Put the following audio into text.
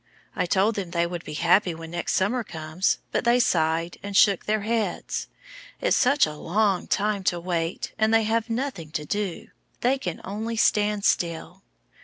I told them they would be happy when next summer comes, but they sighed and shook their heads; it's such a long time to wait, and they have nothing to do they can only stand still.